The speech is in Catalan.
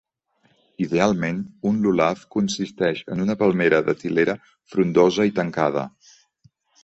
Idealment, un "lulav" consisteix en una palmera datilera frondosa i tancada.